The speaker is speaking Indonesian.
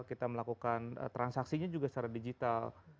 kita melakukan transaksinya juga secara digital